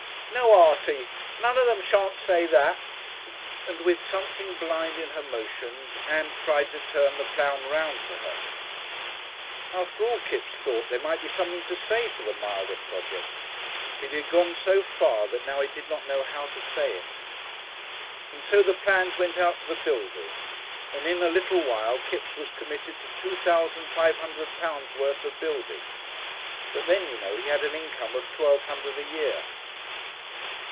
"No, Artie, none of them shan't say that," and with something blind in her motions Ann tried to turn the plan round to her.... After all, Kipps thought there might be something to say for the milder project.... But he had gone so far that now he did not know how to say it. And so the plans went out to the builders, and in a little while Kipps was committed to two thousand five hundred pounds worth of building. But then, you know, he had an income of twelve hundred a year.